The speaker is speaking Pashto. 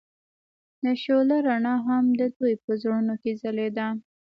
د شعله رڼا هم د دوی په زړونو کې ځلېده.